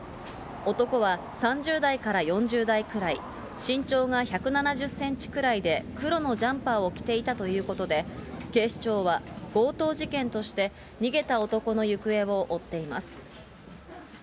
男は３０代から４０代くらい、身長が１７０センチくらいで、黒のジャンパーを着ていたということで、警視庁は強盗事件として、逃げた男の行方を追っています。